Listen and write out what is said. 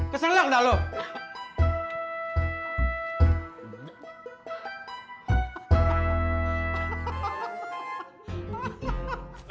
keselak dah lo